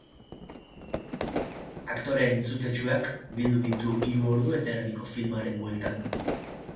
Aktore entzutetsuak bildu ditu hiru ordu eta erdiko filmaren bueltan.